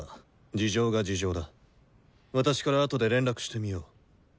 私からあとで連絡してみよう。